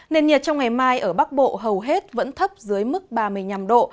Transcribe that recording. nền nhiệt trong ngày mai ở bắc bộ hầu hết vẫn thấp dưới mức ba mươi năm độ